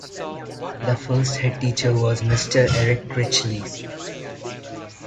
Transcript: The first head teacher was Mr Eric Critchley.